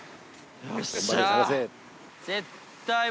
よっしゃ！